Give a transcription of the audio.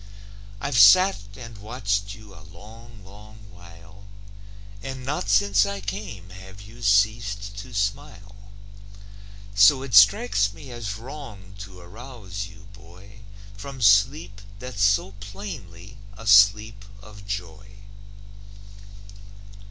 I've sat and watched you a long, long while, And not since I came have you ceased to smile. So it strikes me as wrong to arouse you, boy, From sleep that's so plainly a sleep of joy.